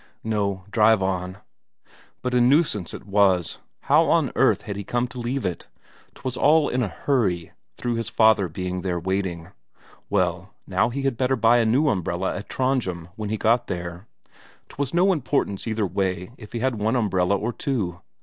"No; drive on." But a nuisance it was; how on earth had he come to leave it? 'Twas all in a hurry, through his father being there waiting. Well, now he had better buy a new umbrella at Trondhjem when he got there. 'Twas no importance either way if he had one umbrella or two.